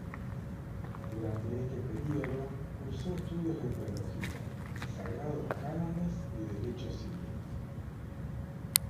Durante este período, cursó estudios de Teología, Sagrados Cánones y Derecho Civil.